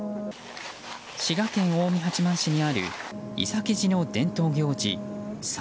滋賀県近江八幡市にある伊崎寺の伝統行事、棹